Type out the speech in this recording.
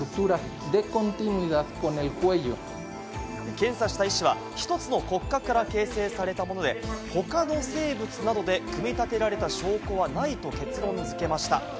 検査した医師は１つの骨格から形成されたもので、他の生物などで組み立てられた証拠はないと結論づけました。